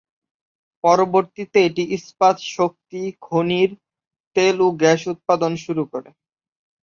পরবর্তীতে এটি ইস্পাত, শক্তি, খনির, তেল ও গ্যাস উৎপাদন শুরু করে।